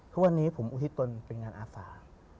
ทุกวันนี้ผมอุทิศตนเป็นงานอาสา